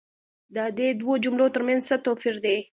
دا دي دوو جملو تر منځ څه توپیر دی؟